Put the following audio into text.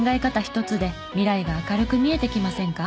一つで未来が明るく見えてきませんか？